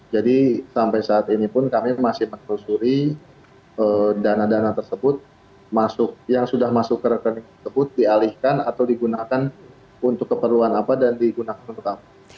jadi sampai saat ini pun kami masih mengkursuri dana dana tersebut yang sudah masuk ke rekening tersebut dialihkan atau digunakan untuk keperluan apa dan digunakan untuk apa